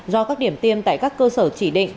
do các điểm tiêm tại các cơ sở chỉ định